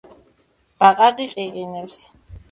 ბაყაყი ყიყინებს